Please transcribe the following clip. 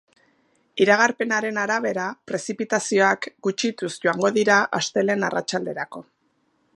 Iragarpenaren arabera, prezipitazioak gutxituz joango dira astelehen arratsalderako.